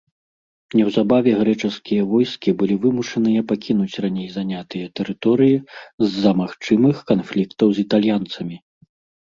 Неўзабаве грэчаскія войскі былі вымушаныя пакінуць раней занятыя тэрыторыі з-за магчымых канфліктаў з італьянцамі.